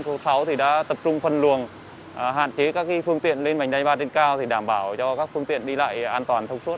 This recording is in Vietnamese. cảnh sát giao thông số sáu đã tập trung phân luồng hạn chế các phương tiện lên vành đai ba trên cao để đảm bảo cho các phương tiện đi lại an toàn thông suốt